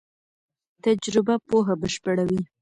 تجربه پوهه بشپړوي.